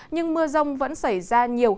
nhưng mưa rông vẫn xảy ra nhiều